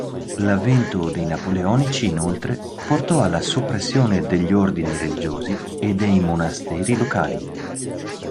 L'avvento dei napoleonici, inoltre, portò alla soppressione degli ordini religiosi e dei monasteri locali.